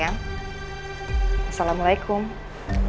haris lama lama pasti akan luluh dengan kebaikan dan cintanya tanti